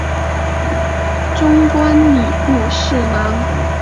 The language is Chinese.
终官礼部侍郎。